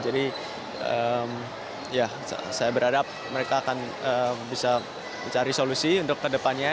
jadi ya saya berharap mereka akan bisa mencari solusi untuk ke depannya